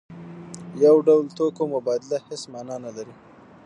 د یو ډول توکو مبادله هیڅ مانا نلري.